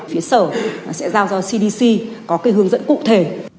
phía sở sẽ giao cho cdc có hướng dẫn cụ thể